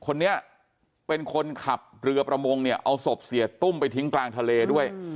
คนนี้เป็นคนขับเรือประมงเนี่ยเอาศพเสียตุ้มไปทิ้งกลางทะเลด้วย